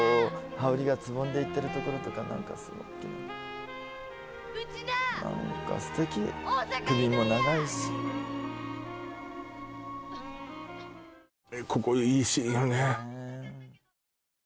羽織がつぼんでいってるところとか何かすごいうちな大阪行くんや何か素敵首も長いしここいいシーンよねねえ